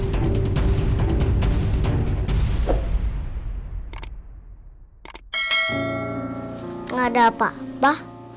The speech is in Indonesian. gak ada apa apa